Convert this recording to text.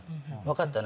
分かった？